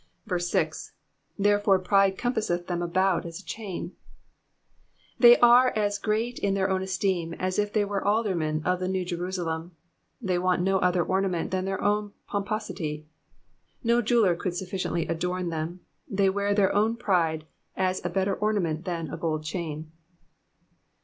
6. "Therefore pride compasseth them about as a chain.'' ^ They are as great in their own esteem as if they were aldermen of the New Jerusalem ; they want no other ornament than their own pomposity. No jeweller could suffi ciently adorn them ; they wear their own pride as a better ornament than a gold chain.